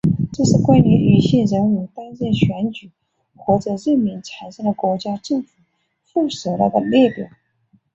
这是关于女性人物担任选举或者任命产生的国家政府副首脑的列表。